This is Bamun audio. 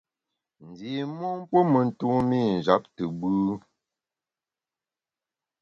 Ndi mon puo me ntumî njap te gbù.